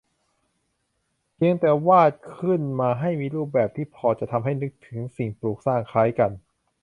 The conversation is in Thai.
เพียงแต่วาดขึ้นมาให้มีรูปแบบที่พอจะทำให้นึกถึงสิ่งปลูกสร้างคล้ายกัน